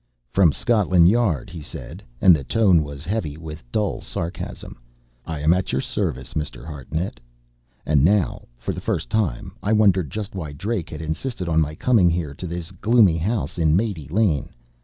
"From Scotland Yard," he said, and the tone was heavy with dull sarcasm. "I am at your service, Mr. Hartnett." And now, for the first time, I wondered just why Drake had insisted on my coming here to this gloomy house in Mate Lane.